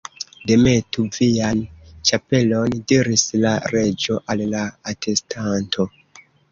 "Demetu vian ĉapelon," diris la Reĝo al la atestanto.